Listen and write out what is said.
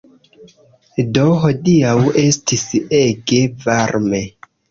Do, hodiaŭ estis ege varme